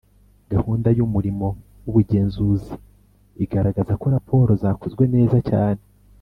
Gahunda y umurimo w ubugenzuzi igaragaza ko raporo zakozwe neza cyane